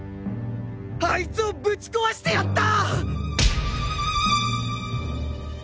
あいつをぶち壊してやった！